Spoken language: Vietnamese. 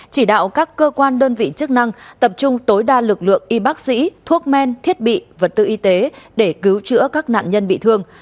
chỉ đạo các cơ quan đơn vị chức năng tập trung tối đa lực lượng y bác sĩ thuốc men thiết bị vật tư y tế để cứu chữa các nạn nhân bị thương